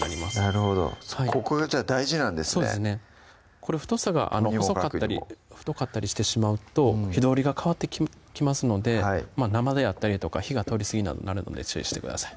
これ太さが細かったり太かったりしてしまうと火通りが変わってきますので生であったりとか火が通りすぎなどなるので注意してください